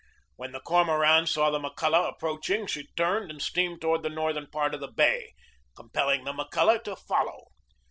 When the Cormoran saw the McCulloch approaching she turned and steamed toward the northern part of the bay, compelling the McCulloch to follow.